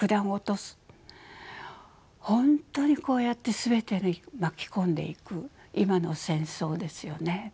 本当にこうやって全て巻き込んでいく今の戦争ですよね。